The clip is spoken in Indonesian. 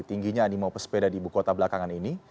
tingginya animo pesepeda di ibu kota belakangan ini